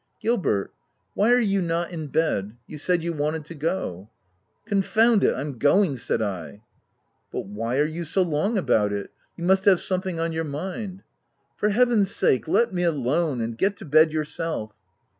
" Gilbert, why are you not in bed— you said you wanted to go ?" "Confound it ! I'm going,'' said I. " But why are you so long about it ? you must have something on your mind —"" For heaven's sake, let me alone, and get to bed yourself!"